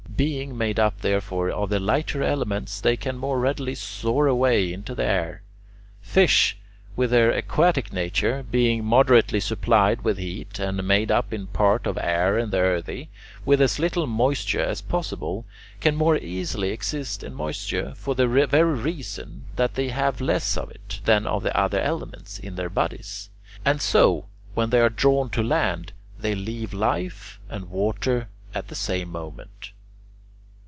Being made up, therefore, of the lighter elements, they can more readily soar away into the air. Fish, with their aquatic nature, being moderately supplied with heat and made up in great part of air and the earthy, with as little of moisture as possible, can more easily exist in moisture for the very reason that they have less of it than of the other elements in their bodies; and so, when they are drawn to land, they leave life and water at the same moment.